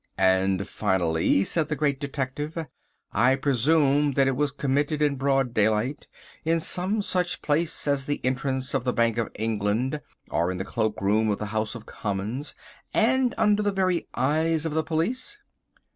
"And finally," said the Great Detective, "I presume that it was committed in broad daylight, in some such place as the entrance of the Bank of England, or in the cloak room of the House of Commons, and under the very eyes of the police?"